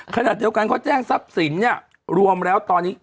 ขณะเดียวกันเขาแจ้งทรัพย์สินเนี่ยรวมแล้วตอนนี้